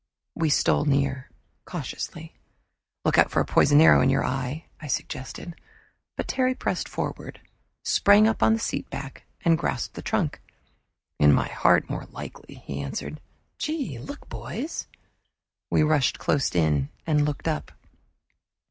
We stole near, cautiously. "Look out for a poisoned arrow in your eye," I suggested, but Terry pressed forward, sprang up on the seat back, and grasped the trunk. "In my heart, more likely," he answered. "Gee! Look, boys!" We rushed close in and looked up.